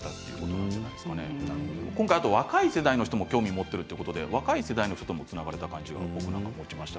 若い世代の人も興味を持っているということで若い世代のつながりも僕らは感じました。